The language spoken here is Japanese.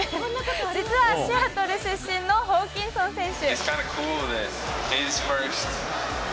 実はシアトル出身のホーキンソン選手。